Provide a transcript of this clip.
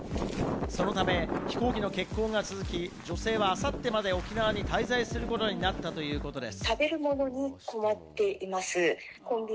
そのため飛行機の欠航が続き、女性はあさってまで沖縄に滞在することになったということです。